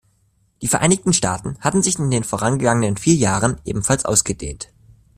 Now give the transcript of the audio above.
Die Vereinigten Staaten hatten sich in den vorangegangenen vier Jahren ebenfalls ausgedehnt.